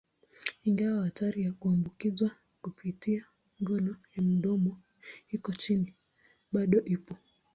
Ingawa hatari ya kuambukizwa kupitia ngono ya mdomoni iko chini, bado ipo.